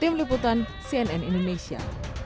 tim liputan cnn indonesia